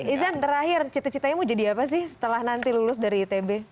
izan terakhir cita citanya mau jadi apa sih setelah nanti lulus dari itb